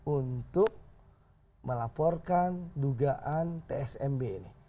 untuk melaporkan dugaan tsmb ini